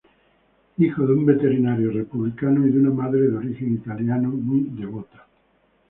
Hijo de un veterinario republicano y de una madre, de origen italiano, muy devota.